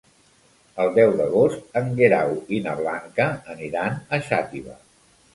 El deu d'agost en Guerau i na Blanca aniran a Xàtiva.